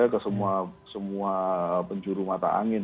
ke semua penjuru mata angin